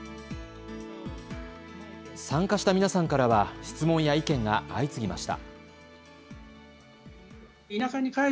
参加した皆さんからは質問や意見が相次ぎました。